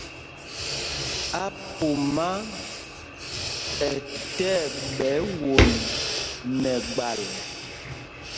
Apumá ɛ tí ɛɓɛ won nɛ gbal.